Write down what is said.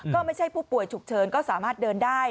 ก็ไม่ใช่ผู้ป่วยฉุกเฉินก็สามารถเดินได้